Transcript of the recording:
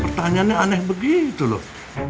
pertanyaannya aneh begitu loh